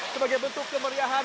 sebagai bentuk kemeriahan